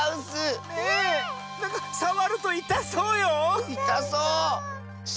なんかさわるといたそうよ！